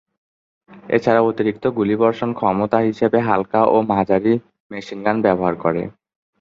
এছাড়া অতিরিক্ত গুলিবর্ষণ ক্ষমতা হিসাবে হালকা ও মাঝারি মেশিনগান ব্যবহার করে।